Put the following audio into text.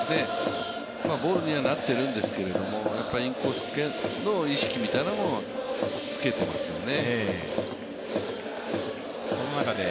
ボールにはなってるんですけどインコースの意識みたいなものをつけてますよね。